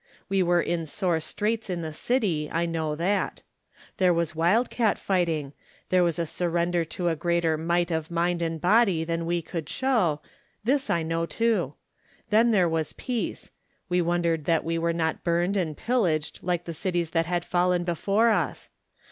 We were in sore straits in the city, I know that. There was wildcat fighting; there was a surrender to a greater might of mind and body than we could show — ^this I know, too. Then there was peace; we wondered that we were not biuned and pillaged like the cities that had fallen before us.